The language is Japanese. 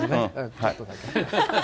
ちょっとだけね。